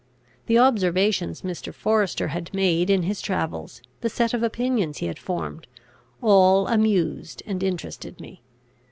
The observations Mr. Forester had made in his travels, the set of opinions he had formed, all amused and interested me.